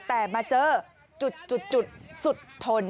แต่มาเจอจุดสุดทน